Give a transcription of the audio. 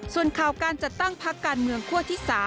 ส่วนข่าวการจัดตั้งพักการเมืองคั่วที่๓